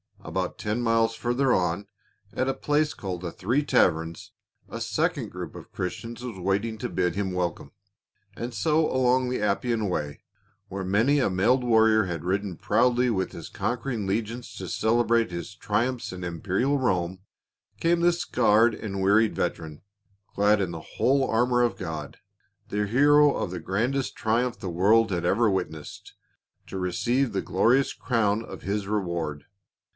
About ten miles further on, at a place called The Three Taverns, a second group of Christians was waiting to bid him welcome. And so along the Appian Way, where many a mailed warrior had ridden proudly with his conquering legions to celebrate his triumphs in imperial Rome, came tins 442 PA UL. scarred and wearied veteran, clad in the whole armor of God, the hero of the grandest triumph the world had ever witnessed, to receive the glorious crown of his reward.